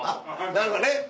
何かね。